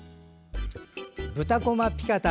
豚こまピカタ